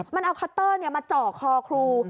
มันเอาคัตเตอร์มาเจาะคอครู